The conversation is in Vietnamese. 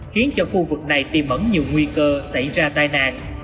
khiến cho khu vực này tiềm ẩn nhiều nguy cơ xảy ra tai nạn